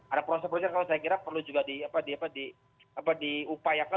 ada proses proses kalau saya kira perlu juga di apa di apa diupayakan